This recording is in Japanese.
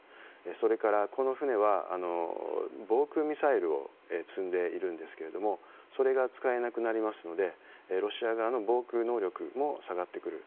それからこの船は防空ミサイルを積んでいるんですがそれが使えなくなりますのでロシア側の防空能力も下がってくる。